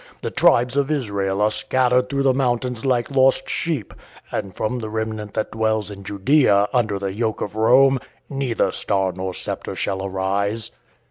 The tribes of Israel are scattered through the mountains like lost sheep, and from the remnant that dwells in Judea under the yoke of Rome neither star nor sceptre shall arise."